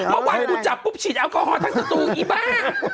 เมื่อวันวันงงจับปุ๊บฉีดอัลกอฮอลทั้งตัวตัวอีบ้า